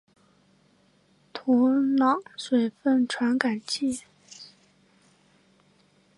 土壤水分传感器。